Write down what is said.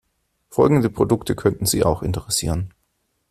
Folgende Produkte könnten Sie auch interessieren.